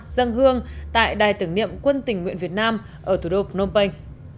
dân hương tại đài tưởng niệm quân tình nguyện việt nam ở thủ đô phnom penh